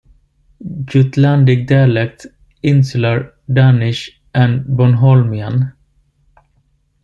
Jutlandic dialect, Insular Danish and Bornholmian.